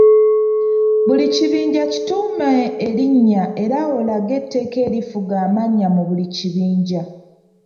Buli kibinja kituume erinnya era olage etteeka erifuga amannya mu buli kibinja.